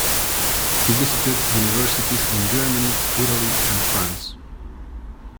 He visited universities in Germany, Italy, and France.